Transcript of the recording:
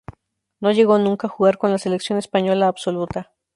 No llegó nunca a jugar con la Selección española absoluta.